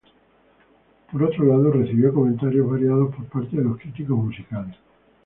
Por otro lado, recibió comentarios variados por parte de los críticos musicales.